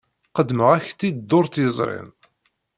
Qeddmeɣ-ak-tt-id dduṛt yezrin.